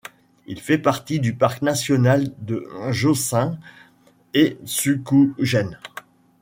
Il fait partie du parc national de Jōshin'etsukōgen.